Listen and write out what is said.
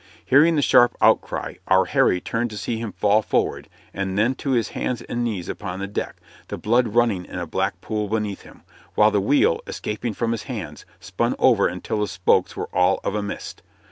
Hearing the sharp outcry, our Harry turned to see him fall forward, and then to his hands and knees upon the deck, the blood running in a black pool beneath him, while the wheel, escaping from his hands, spun over until the spokes were all of a mist.